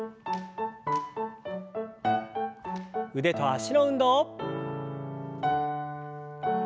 腕と脚の運動。